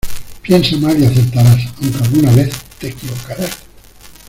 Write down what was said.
Piensa mal y acertarás, aunque alguna vez te equivocarás.